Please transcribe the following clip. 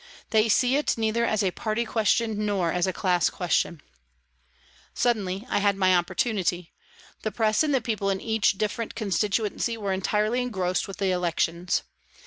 They see it neither as a party question nor as a class question. JANE WARTON 237 Suddenly I had my opportunity. The Press and the people in each different constituency were entirely engrossed with the elections.